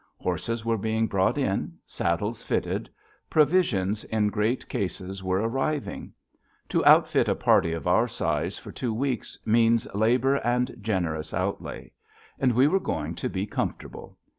Horses were being brought in, saddles fitted; provisions in great cases were arriving. To outfit a party of our size for two weeks means labor and generous outlay. And we were going to be comfortable.